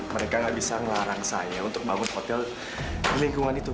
mereka nggak bisa ngelarang saya untuk bangun hotel di lingkungan itu